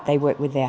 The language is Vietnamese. rất mong muốn